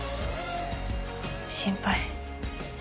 心配。